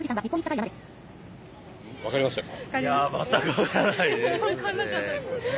わかりましたか？